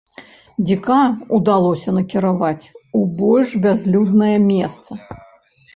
Дзіка ўдалося накіраваць у больш бязлюднае месца.